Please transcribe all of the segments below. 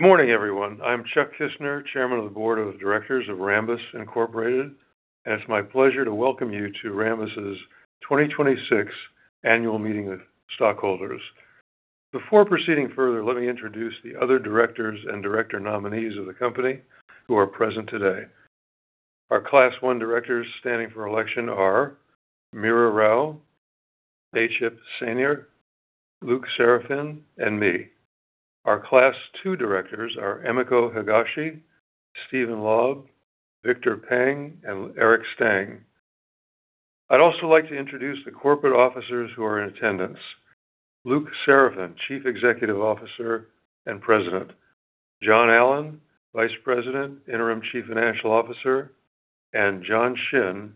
Morning, everyone. I'm Chuck Kissner, Chairman of the Board of Directors of Rambus Inc., and it's my pleasure to welcome you to Rambus's 2026 Annual Meeting of Stockholders. Before proceeding further, let me introduce the other directors and director nominees of the company who are present today. Our Class 1 directors standing for election are Meera Rao, Necip Sayiner, Luc Seraphin, and me. Our Class 2 directors are Emiko Higashi, Steven Laub, Victor Peng, and Eric Stang. I'd also like to introduce the corporate officers who are in attendance. Luc Seraphin, Chief Executive Officer and President. John Allen, Vice President, Interim Chief Financial Officer, and John Shinn,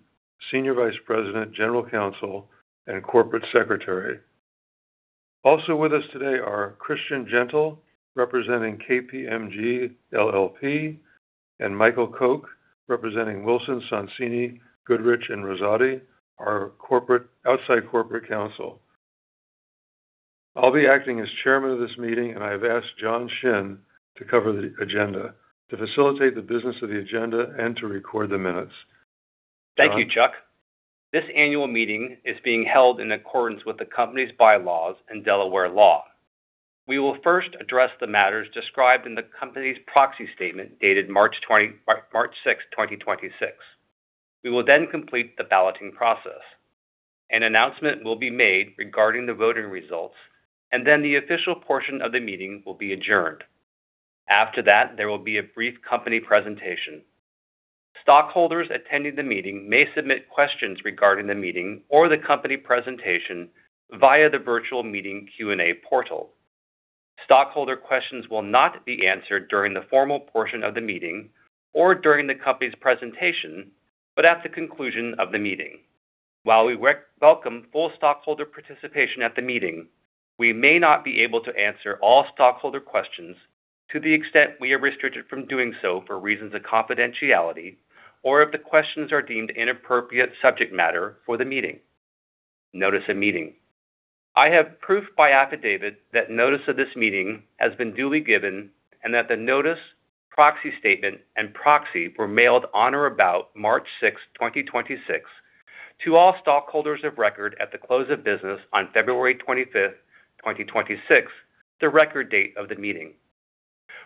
Senior Vice President, General Counsel and Corporate Secretary. Also with us today are Chris Gentle, representing KPMG LLP, and Michael Koch, representing Wilson Sonsini Goodrich & Rosati, our outside corporate counsel. I'll be acting as chairman of this meeting, and I have asked John Shinn to cover the agenda, to facilitate the business of the agenda and to record the minutes. John? Thank you, Chuck. This annual meeting is being held in accordance with the company's bylaws and Delaware law. We will first address the matters described in the company's proxy statement, dated March 6th, 2026. We will then complete the balloting process. An announcement will be made regarding the voting results, and then the official portion of the meeting will be adjourned. After that, there will be a brief company presentation. Stockholders attending the meeting may submit questions regarding the meeting or the company presentation via the Virtual Meeting Q&A Portal. Stockholder questions will not be answered during the formal portion of the meeting or during the company's presentation, but at the conclusion of the meeting. While we welcome full stockholder participation at the meeting, we may not be able to answer all stockholder questions to the extent we are restricted from doing so for reasons of confidentiality or if the questions are deemed inappropriate subject matter for the meeting. Notice of meeting. I have proof by affidavit that notice of this meeting has been duly given and that the notice, proxy statement, and proxy were mailed on or about March 6th, 2026, to all stockholders of record at the close of business on February 25th, 2026, the record date of the meeting.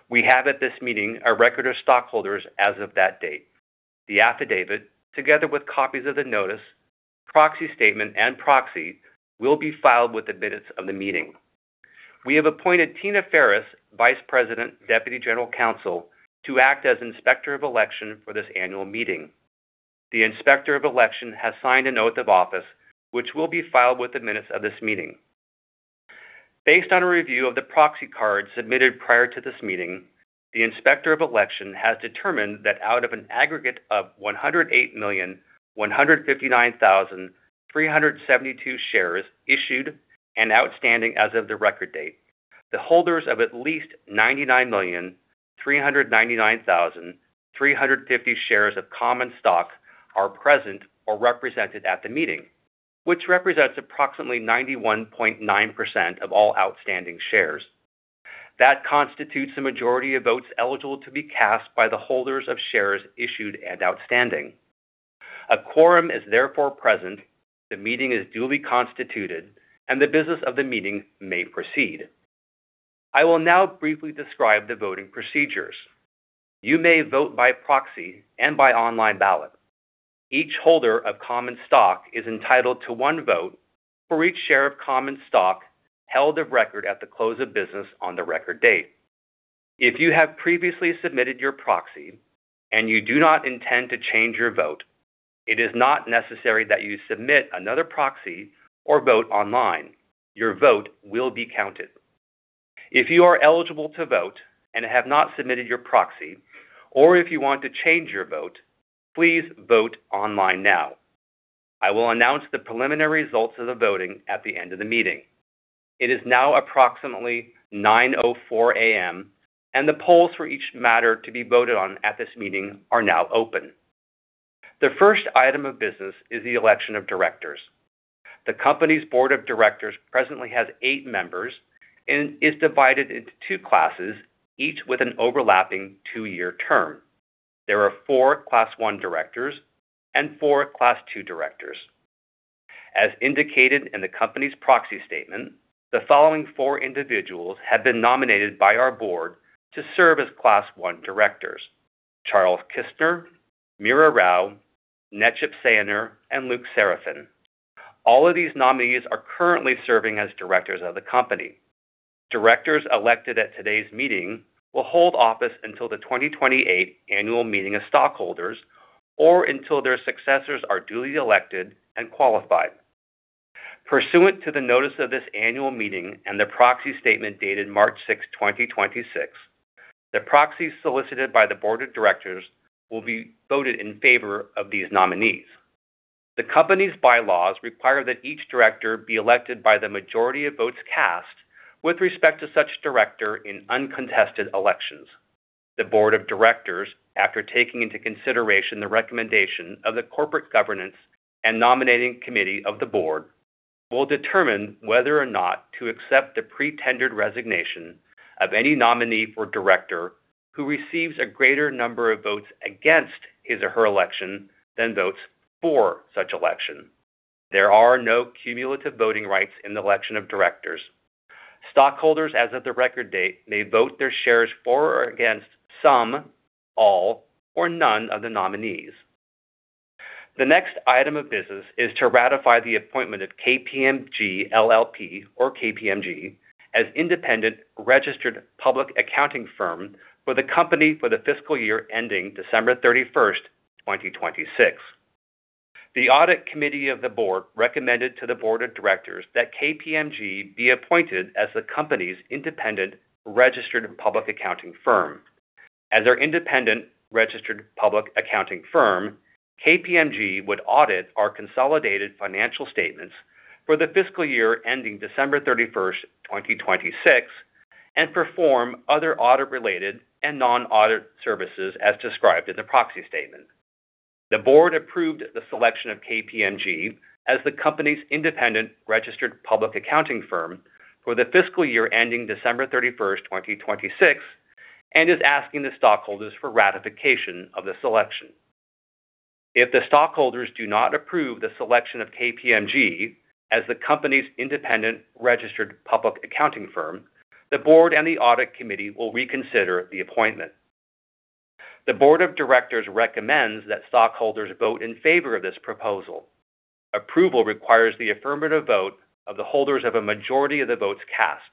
We have at this meeting a record of stockholders as of that date. The affidavit, together with copies of the notice, proxy statement, and proxy, will be filed with the minutes of the meeting. We have appointed Tina Ferris, Vice President, Deputy General Counsel, to act as Inspector of Election for this annual meeting. The Inspector of Election has signed an oath of office, which will be filed with the minutes of this meeting. Based on a review of the Proxy Card submitted prior to this meeting, the Inspector of Election has determined that out of an aggregate of 108,159,372 shares issued and outstanding as of the record date, the holders of at least 99,399,350 shares of common stock are present or represented at the meeting, which represents approximately 91.9% of all outstanding shares. That constitutes the majority of votes eligible to be cast by the holders of shares issued and outstanding. A quorum is therefore present, the meeting is duly constituted, and the business of the meeting may proceed. I will now briefly describe the voting procedures. You may vote by proxy and by online ballot. Each holder of common stock is entitled to one vote for each share of common stock held of record at the close of business on the record date. If you have previously submitted your proxy and you do not intend to change your vote, it is not necessary that you submit another proxy or vote online. Your vote will be counted. If you are eligible to vote and have not submitted your proxy, or if you want to change your vote, please vote online now. I will announce the preliminary results of the voting at the end of the meeting. It is now approximately 9:04 A.M., and the polls for each matter to be voted on at this meeting are now open. The first item of business is the election of directors. The company's Board of Directors presently has eight members and is divided into two classes, each with an overlapping two-year term. There are four Class 1 directors and four Class 2 directors. As indicated in the company's proxy statement, the following four individuals have been nominated by our Board to serve as Class 1 directors, Charles Kissner, Meera Rao, Necip Sayiner, and Luc Seraphin. All of these nominees are currently serving as directors of the company. Directors elected at today's meeting will hold office until the 2028 Annual Meeting of Stockholders or until their successors are duly elected and qualified. Pursuant to the notice of this annual meeting and the proxy statement dated March 6th, 2026, the proxies solicited by the Board of Directors will be voted in favor of these nominees. The company's bylaws require that each director be elected by the majority of votes cast with respect to such director in uncontested elections. The Board of Directors, after taking into consideration the recommendation of the Corporate Governance and Nominating Committee of the Board, will determine whether or not to accept the pre-tendered resignation of any nominee for director who receives a greater number of votes against his or her election than votes for such election. There are no cumulative voting rights in the election of directors. Stockholders, as of the record date, may vote their shares for or against some, all, or none of the nominees. The next item of business is to ratify the appointment of KPMG LLP or KPMG, as independent registered public accounting firm for the company for the fiscal year ending December 31st, 2026. The Audit Committee of the Board recommended to the Board of Directors that KPMG be appointed as the company's independent registered public accounting firm. As our independent registered public accounting firm, KPMG would audit our consolidated financial statements for the fiscal year ending December 31st, 2026, and perform other audit-related and non-audit services as described in the proxy statement. The Board approved the selection of KPMG as the company's independent registered public accounting firm for the fiscal year ending December 31st, 2026, and is asking the stockholders for ratification of the selection. If the stockholders do not approve the selection of KPMG as the company's independent registered public accounting firm, the Board and the Audit Committee will reconsider the appointment. The Board of Directors recommends that stockholders vote in favor of this proposal. Approval requires the affirmative vote of the holders of a majority of the votes cast.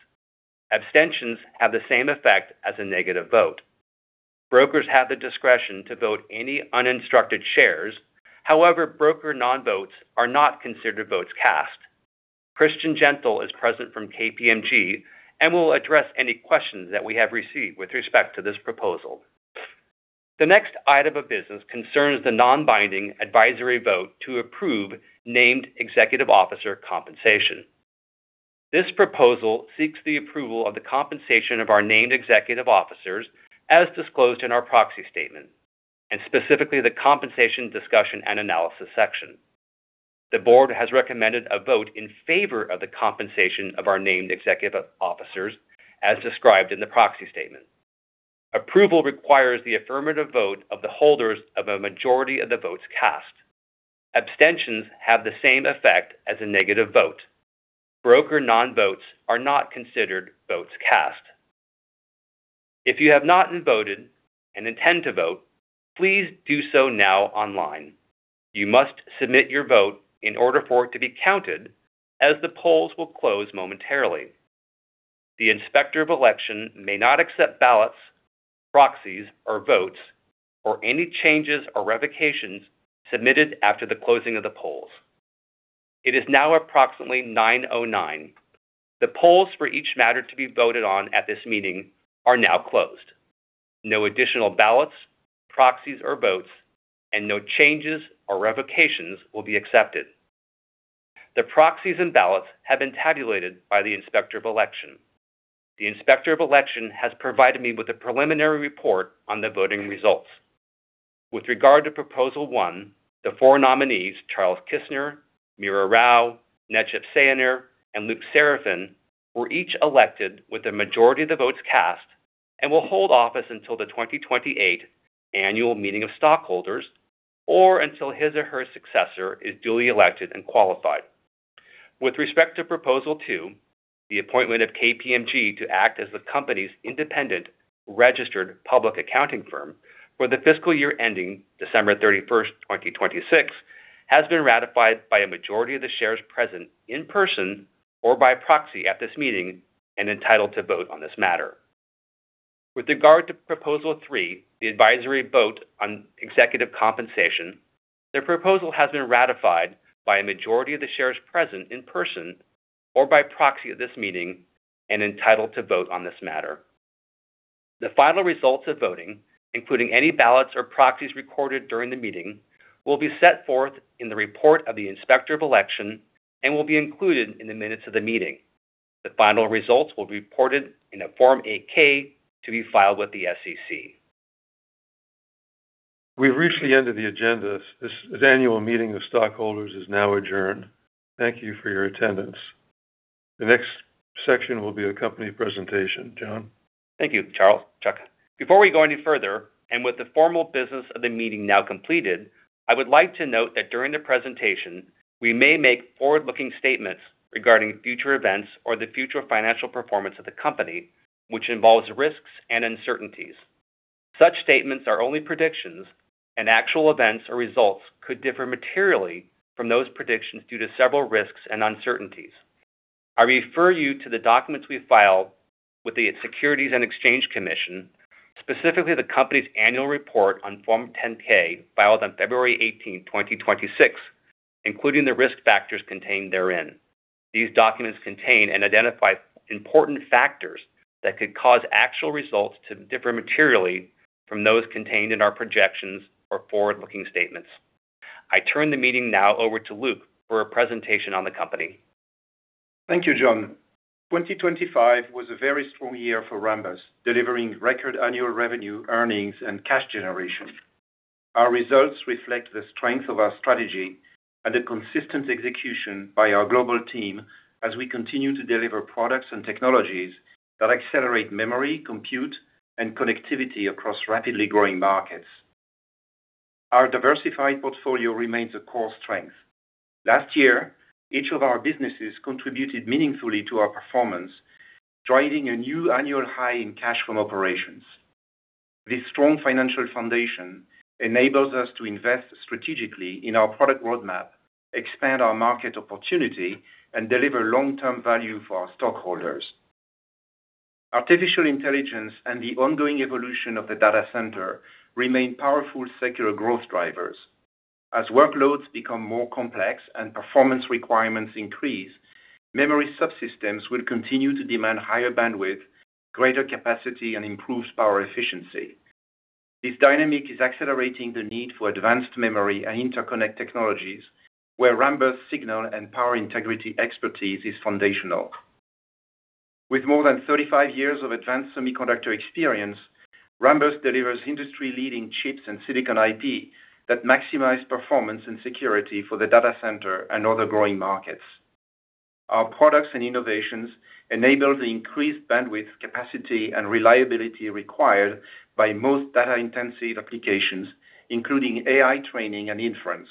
Abstentions have the same effect as a negative vote. Brokers have the discretion to vote any uninstructed shares. However, broker non-votes are not considered votes cast. Chris Gentle is present from KPMG and will address any questions that we have received with respect to this proposal. The next item of business concerns the non-binding advisory vote to approve named executive officer compensation. This proposal seeks the approval of the compensation of our named executive officers as disclosed in our proxy statement, and specifically the Compensation Discussion and Analysis section. The Board has recommended a vote in favor of the compensation of our named executive officers as described in the proxy statement. Approval requires the affirmative vote of the holders of a majority of the votes cast. Abstentions have the same effect as a negative vote. Broker non-votes are not considered votes cast. If you have not voted and intend to vote, please do so now online. You must submit your vote in order for it to be counted, as the polls will close momentarily. The Inspector of Election may not accept ballots, proxies or votes, or any changes or revocations submitted after the closing of the polls. It is now approximately 9:09 A.M. The polls for each matter to be voted on at this meeting are now closed. No additional ballots, proxies, or votes, and no changes or revocations will be accepted. The proxies and ballots have been tabulated by the Inspector of Election. The Inspector of Election has provided me with a preliminary report on the voting results. With regard to proposal one, the four nominees, Charles Kissner, Meera Rao, Necip Sayiner, and Luc Seraphin, were each elected with a majority of the votes cast and will hold office until the 2028 Annual Meeting of Stockholders, or until his or her successor is duly elected and qualified. With respect to proposal two, the appointment of KPMG to act as the company's independent registered public accounting firm for the fiscal year ending December 31st, 2026, has been ratified by a majority of the shares present in person or by proxy at this meeting and entitled to vote on this matter. With regard to proposal three, the advisory vote on executive compensation, the proposal has been ratified by a majority of the shares present in person or by proxy at this meeting and entitled to vote on this matter. The final results of voting, including any ballots or proxies recorded during the meeting, will be set forth in the report of the Inspector of Election and will be included in the minutes of the meeting. The final results will be reported in a Form 8-K to be filed with the SEC. We've reached the end of the agenda. This Annual Meeting of Stockholders is now adjourned. Thank you for your attendance. The next section will be a company presentation. John? Thank you, Charles. Chuck. Before we go any further, with the formal business of the meeting now completed, I would like to note that during the presentation, we may make forward-looking statements regarding future events or the future financial performance of the company, which involves risks and uncertainties. Such statements are only predictions, and actual events or results could differ materially from those predictions due to several risks and uncertainties. I refer you to the documents we filed with the Securities and Exchange Commission, specifically the company's Annual Report on Form 10-K, filed on February 18th, 2026, including the Risk Factors contained therein. These documents contain and identify important factors that could cause actual results to differ materially from those contained in our projections or forward-looking statements. I turn the meeting now over to Luc for a presentation on the company. Thank you, John. 2025 was a very strong year for Rambus, delivering record annual revenue, earnings, and cash generation. Our results reflect the strength of our strategy and the consistent execution by our global team as we continue to deliver products and technologies that accelerate memory, compute, and connectivity across rapidly growing markets. Our diversified portfolio remains a core strength. Last year, each of our businesses contributed meaningfully to our performance, driving a new annual high in cash from operations. This strong financial foundation enables us to invest strategically in our product roadmap, expand our market opportunity, and deliver long-term value for our stockholders. Artificial intelligence and the ongoing evolution of the data center remain powerful secular growth drivers. As workloads become more complex and performance requirements increase, memory subsystems will continue to demand higher bandwidth, greater capacity, and improved power efficiency. This dynamic is accelerating the need for advanced memory and interconnect technologies, where Rambus signal and power integrity expertise is foundational. With more than 35 years of advanced semiconductor experience, Rambus delivers industry-leading chips and silicon IP that maximize performance and security for the data center and other growing markets. Our products and innovations enable the increased bandwidth capacity and reliability required by most data-intensive applications, including AI training and inference.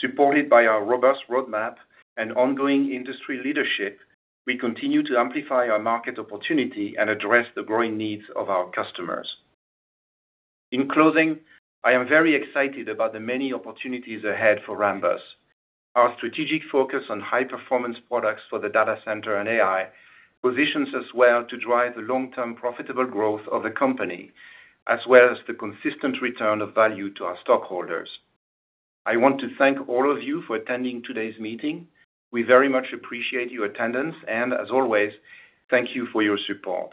Supported by our robust roadmap and ongoing industry leadership, we continue to amplify our market opportunity and address the growing needs of our customers. In closing, I am very excited about the many opportunities ahead for Rambus. Our strategic focus on high-performance products for the data center and AI positions us well to drive the long-term profitable growth of the company, as well as the consistent return of value to our stockholders. I want to thank all of you for attending today's meeting. We very much appreciate your attendance, and as always, thank you for your support.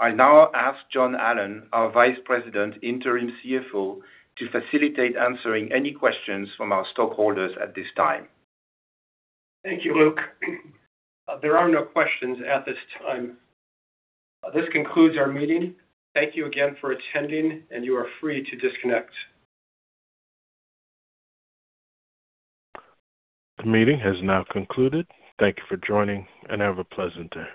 I now ask John Allen, our Vice President, interim CFO, to facilitate answering any questions from our stockholders at this time. Thank you, Luc. There are no questions at this time. This concludes our meeting. Thank you again for attending, and you are free to disconnect. The meeting has now concluded. Thank you for joining, and have a pleasant day.